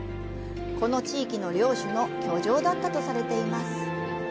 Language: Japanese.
この地域の領主の居城だったとされています。